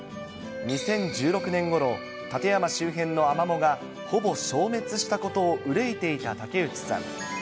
２０１６年ごろ、館山周辺のアマモが、ほぼ消滅したことを憂いていた竹内さん。